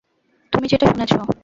তুমি যেটা শুনেছ।